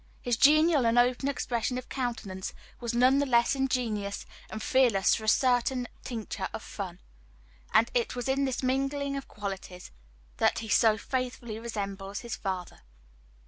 His genial and open expression of countenance was none the less ingenuous and fearless for a certain tincture of fun; and it was in this mingling of qualities that he so faithfully resembled his father.